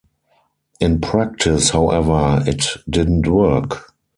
In practice, however, it didn't work.